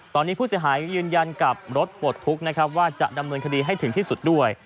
ตอนนี้ผู้เสียหายยืนยันกับรถปลดทุกข์นะครับว่าจะดำเนินคดีให้ถึงที่สุดด้วย